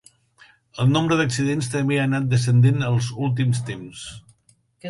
El nombre d'accidents també ha anat descendent als últims temps.